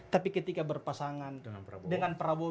tapi ketika berpasangan dengan prabowo